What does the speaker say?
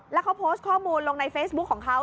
แล้วเขาโพสต์ข้อมูลลงในเฟซบุ๊คของเขา